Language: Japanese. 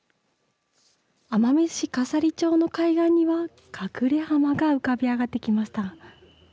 奄美市笠利町の海岸にはかくれ浜が浮かび上がってきました。